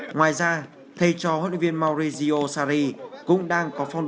ngoài ra thầy chó huấn luyện viên maurizio sarri cũng đang có phong độ